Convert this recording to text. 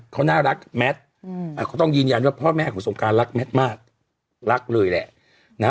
เขาน่ารักแมทเขาต้องยืนยันว่าพ่อแม่ของสงการรักแมทมากรักเลยแหละนะ